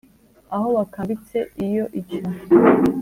aho bakambitse Iyo icyo